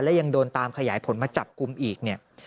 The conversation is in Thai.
แล้วยังโดนตามขยายผลมาจับกุมอีก